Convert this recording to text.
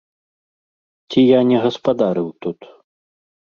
Ці я не гаспадарыў тут?